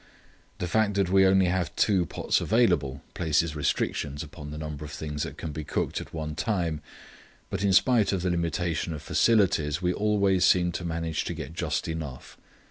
The fact that we only have two pots available places restrictions upon the number of things that can be cooked at one time, but in spite of the limitation of facilities, we always seem to manage to get just enough.